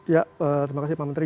ya terima kasih pak menteri